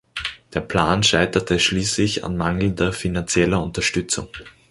Der Plan scheiterte schließlich an mangelnder finanzieller Unterstützung.